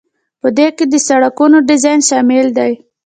په دې کې د سړکونو ډیزاین شامل دی.